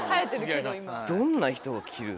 どんな人が着る。